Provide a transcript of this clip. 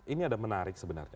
ini ada menarik sebenarnya